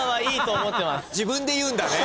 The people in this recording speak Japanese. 自分で言うんだね！